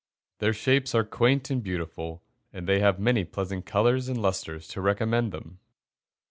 Their shapes are quaint and beautiful, And they have many pleasant colours and lustres To recommend them.